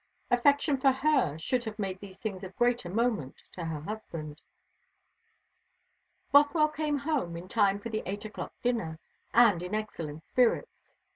Affection for her should have made these things of greater moment to her husband. Bothwell came home in time for the eight o'clock dinner, and in excellent spirits.